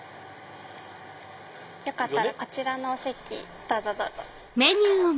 よかったらこちらのお席どうぞ。